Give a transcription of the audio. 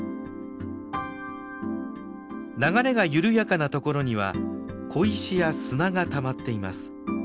流れが緩やかなところには小石や砂がたまっています。